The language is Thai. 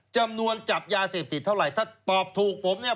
จับยาเสพติดเท่าไหร่ถ้าตอบถูกผมเนี่ย